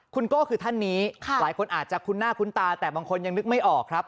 คุณโก้คือท่านนี้หลายคนอาจจะคุ้นหน้าคุ้นตาแต่บางคนยังนึกไม่ออกครับ